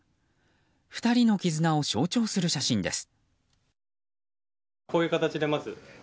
２人の絆を象徴する写真です。